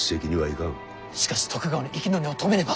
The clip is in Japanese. しかし徳川の息の根を止めねば。